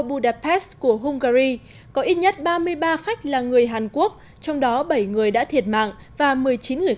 budapest của hungary có ít nhất ba mươi ba khách là người hàn quốc trong đó bảy người đã thiệt mạng và một mươi chín người